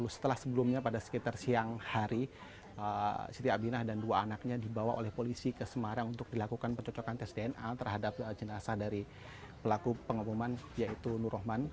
setelah sebelumnya pada sekitar siang hari siti abinah dan dua anaknya dibawa oleh polisi ke semarang untuk dilakukan pencocokan tes dna terhadap jenazah dari pelaku pengeboman yaitu nur rahman